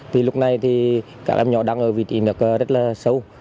thì lúc này thì các em nhỏ đang ở vị trí nước rất là sâu